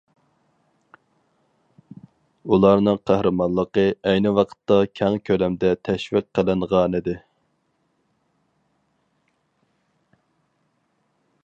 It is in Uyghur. ئۇلارنىڭ قەھرىمانلىقى ئەينى ۋاقىتتا كەڭ كۆلەمدە تەشۋىق قىلىنغانىدى.